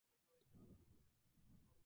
Habita el bosque húmedo tropical.